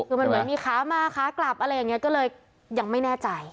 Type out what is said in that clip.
คือมันเหมือนมีขามาขากลับอะไรอย่างนี้ก็เลยยังไม่แน่ใจ